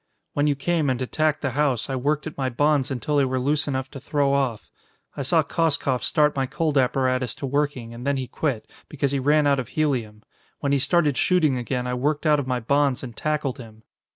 When you came and attacked the house, I worked at my bonds until they were loose enough to throw off. I saw Koskoff start my cold apparatus to working and then he quit, because he ran out of helium. When he started shooting again, I worked out of my bonds and tackled him.